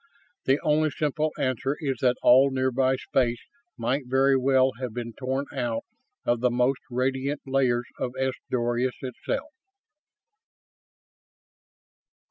The only simple answer is that all nearby space might very well have been torn out of the most radiant layers of S Doradus itself.